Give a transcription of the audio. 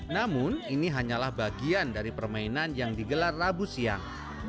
namun ini hanyalah bagian dari permainan yang digelar rabu siang